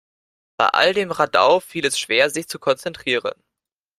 Bei all dem Radau fiel es schwer, sich zu konzentrieren.